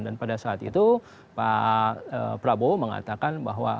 dan pada saat itu pak prabowo mengatakan bahwa